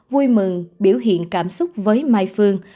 vui mừng biểu hiện cảm xúc với mai phương